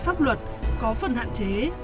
pháp luật có phần hạn chế